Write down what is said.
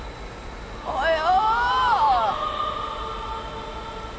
およ！